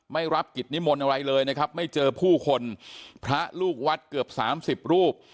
ไม่รับกิจนิมนต์อะไรเลยนะครับไม่เจอผู้คนพระลูกวัดเกือบสามสิบรูป